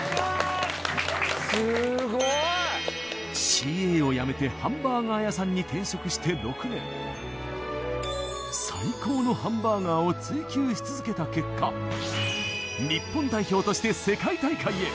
ＣＡを辞めてハンバーガー屋さんに転職して６年し続けた結果日本代表として世界大会へ！